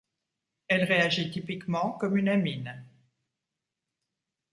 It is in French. Elle réagit typiquement comme une amine.